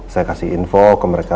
saya kasih info ke mereka